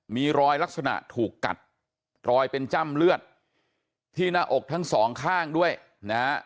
มีรอยลักษณะถูกกัดรอยเป็นจ้ำเลือดที่หน้าอกทั้งสองข้างด้วยนะฮะ